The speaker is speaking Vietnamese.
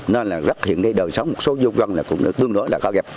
nên là rất hiện nay đời sống một số dân gần là cũng tương đối là có kép